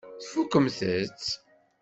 Tfukkem-tt?